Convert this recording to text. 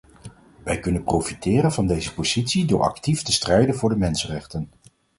Wij kunnen profiteren van deze positie door actief te strijden voor de mensenrechten.